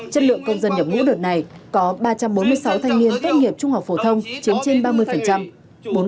chất lượng công dân nhập ngũ đợt này có ba trăm bốn mươi sáu thanh niên tốt nghiệp trung học phổ thông chiếm trên ba mươi